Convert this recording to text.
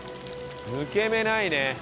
抜け目ないね！